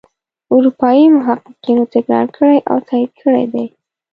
اروپايي محققینو تکرار کړي او تایید کړي دي.